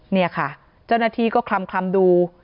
นี่ค่ะเจ้าหน้าที่ก็คลำดู